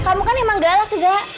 kamu kan emang galak ya za